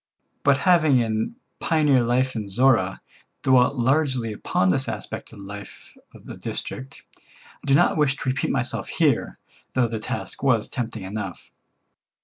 But having in "Pioneer Life in Zorra " dwelt largely upon this aspect of the life of the district, I did not wish to repeat myself here, though the task was tempting enough.